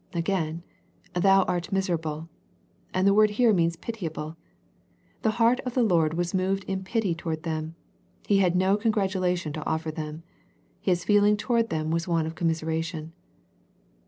Again " thou art miserable " and the word here means pitiable. The heart of the Lord was moved in pity toward them. He had no congratulation to offer them. His feeling toward them was one of commiseration.